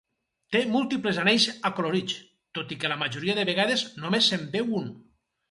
Té múltiples anells acolorits, tot i que la majoria de vegades només se'n veu un.